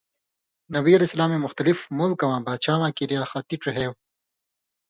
نبی علیہ سلامے مختلف مُلکہ واں باچھاواں کیریا خَطی ڇِہېو،